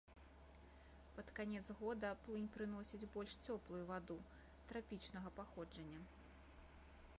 Пад канец года, плынь прыносіць больш цёплую ваду, трапічнага паходжання.